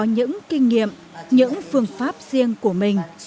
những phương pháp riêng của mình